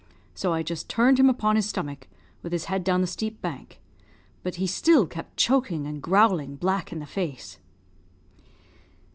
So I just turned him upon his stomach, with his head down the steep bank; but he still kept choking and growing black in the face."